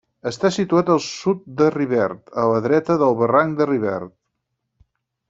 Està situat al sud de Rivert, a la dreta del barranc de Rivert.